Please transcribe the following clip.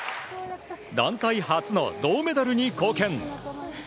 団体初の銅メダルに貢献。